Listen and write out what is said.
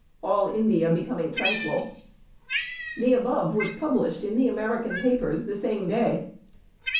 All India becoming tranquil. The above was published in the American papers the same day.